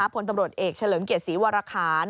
พลตำรวจเอกเฉลิมเกียรติศรีวรคาร